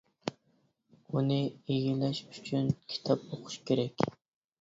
ئۇنى ئىگىلەش ئۈچۈن كىتاب ئوقۇش كېرەك.